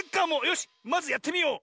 よしまずやってみよう！